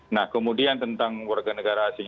nah kemudian tentang warga negara asing